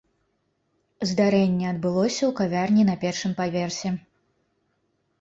Здарэнне адбылося ў кавярні на першым паверсе.